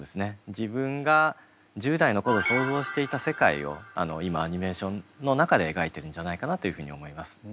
自分が１０代の頃想像していた世界を今アニメーションの中で描いてるんじゃないかなというふうに思います。